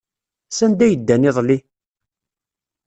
Sanda ay ddan iḍelli?